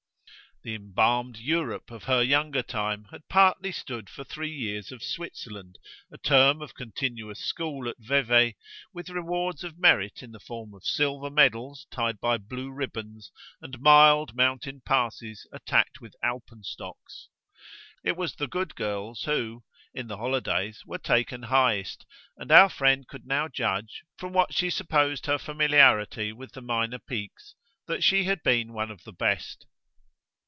The embalmed "Europe" of her younger time had partly stood for three years of Switzerland, a term of continuous school at Vevey, with rewards of merit in the form of silver medals tied by blue ribbons and mild mountain passes attacked with alpenstocks. It was the good girls who, in the holidays, were taken highest, and our friend could now judge, from what she supposed her familiarity with the minor peaks, that she had been one of the best.